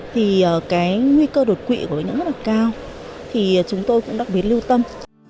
thì cái nguy cơ đột quỵ của bệnh nhân rất là cao thì chúng tôi cũng đặc biệt lưu tâm